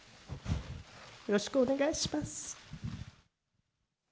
よろしくお願いします。